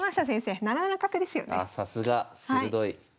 さすが鋭い。